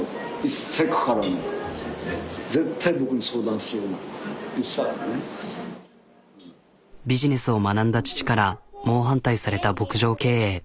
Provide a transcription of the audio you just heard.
そうビジネスを学んだ父から猛反対された牧場経営。